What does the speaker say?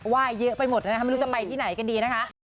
เยอะไปหมดนะคะไม่รู้จะไปที่ไหนกันดีนะคะ